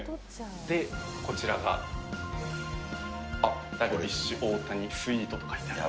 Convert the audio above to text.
で、こちらが、ダルビッシュ＆大谷スイートと書いてあります。